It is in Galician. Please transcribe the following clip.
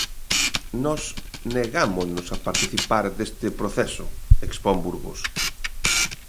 Nós negámonos a participar deste proceso, expón Burgos.